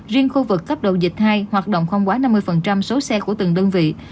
riêng khu vực cấp đầu dịch hai hoạt động không quá năm mươi số xe của từng đơn vị